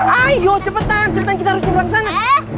ayo cepetan cepetan kita harus nyembrang sana